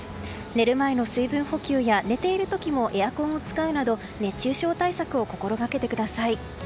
寝る前の水分補給や寝ている時もエアコンを使うなど熱中症対策を心掛けてください。